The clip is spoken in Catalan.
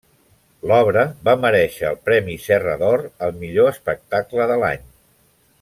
L'obra va merèixer el premi Serra d'Or al millor espectacle de l'any.